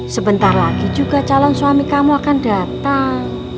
sebentar lagi juga calon suami kamu akan datang